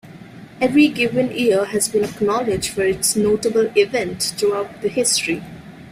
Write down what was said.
Every given year has been acknowledge for its notable event throughout the history.